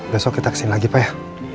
besok kita kesini lagi pak ya